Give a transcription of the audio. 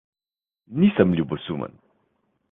Nisem ljubosumen.